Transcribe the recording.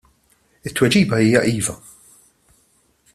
It-tweġiba hija ' Iva'.